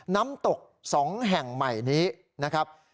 น้ำตก๒แห่งใหม่นี้นะครับ